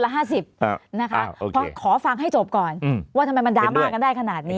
เพราะขอฟังให้จบก่อนว่าทำไมมันดราม่ากันได้ขนาดนี้